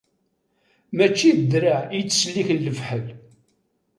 Mačči d ddreɛ i yettselliken lefḥel.